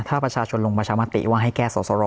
ถ้าประชาชนลงประชามติว่าให้แก้สอสร